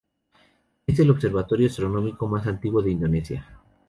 Es el observatorio astronómico más antiguo de Indonesia.